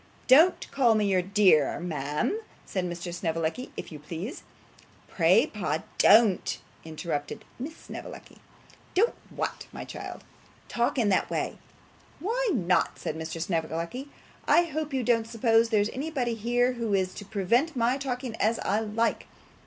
'Don't call me your dear, ma'am,' said Mr. Snevellicci, 'if you please.' 'Pray, pa, don't,' interposed Miss Snevellicci. 'Don't what, my child?' 'Talk in that way.' 'Why not?' said Mr. Snevellicci. 'I hope you don't suppose there's anybody here who is to prevent my talking as I like?